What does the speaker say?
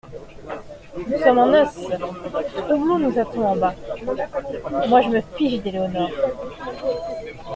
Nous sommes en noce, Trublot nous attend en bas … Moi, je me fiche d'Éléonore.